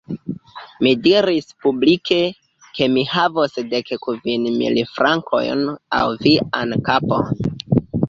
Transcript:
Mi diris publike, ke mi havos dek kvin mil frankojn aŭ vian kapon.